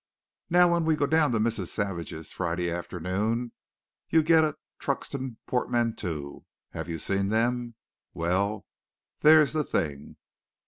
"Now when we go down to Mrs. Savage's Friday afternoon, you get a Truxton Portmanteau. Have you seen them? Well, there's the thing.